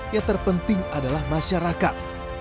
yang terpenting adalah masyarakat